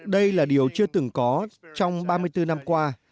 đây là điều chưa từng có trong ba mươi bốn năm qua